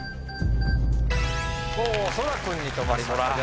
おそら君に止まりました。